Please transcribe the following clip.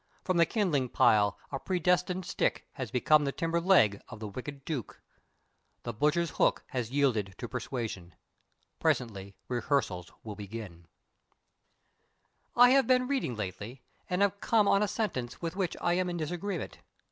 From the kindling pile a predestined stick has become the timber leg of the wicked Duke. The butcher's hook has yielded to persuasion. Presently rehearsals will begin I have been reading lately, and I have come on a sentence with which I am in disagreement.